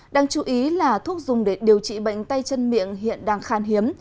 đáng chú ý là thuốc dùng để điều trị bệnh tay chân miệng hiện đang khan hiếm